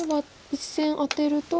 １線アテると。